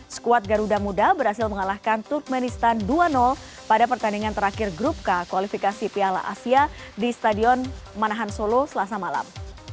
skuad garuda muda berhasil mengalahkan turkmenistan dua pada pertandingan terakhir grup k kualifikasi piala asia di stadion manahan solo selasa malam